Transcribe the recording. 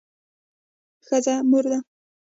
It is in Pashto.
ښځه مور ده